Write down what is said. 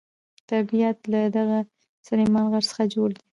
طبیعت له دغه سلیمان غر څخه جوړ دی.